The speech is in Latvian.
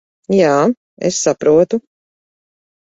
Jā, es saprotu.